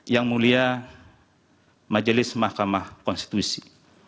yang mulia majelis mahkamah konstitusi